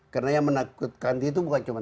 karena yang menakutkan itu bukan cuma